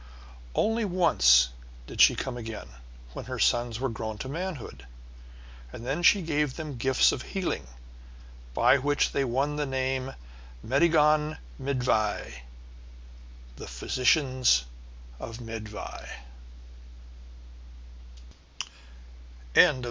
Only once did she come again, when her sons were grown to manhood, and then she gave them gifts of healing by which they won the name of Meddygon Myddvai, the physicians of Myddvai.